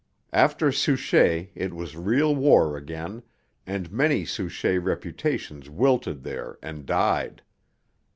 After Souchez it was real war again, and many Souchez reputations wilted there and died.